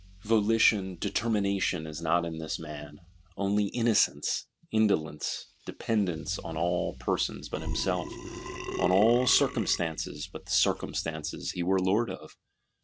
Volition, determination is not in this man: only innocence, indolence; dependence on all persons but himself, on all circumstances but the circumstances he were lord of.